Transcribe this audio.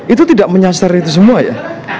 itu tidak menyasar itu semua ya